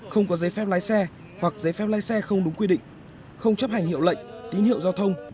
không có giấy phép lái xe hoặc giấy phép lái xe không đúng quy định không chấp hành hiệu lệnh tín hiệu giao thông